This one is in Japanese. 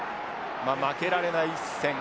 まあ負けられない一戦。